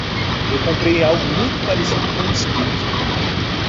Eu comprei algo muito parecido com o squid.